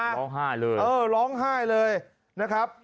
ร้องไห้เลยเออร้องไห้เลยนะครับ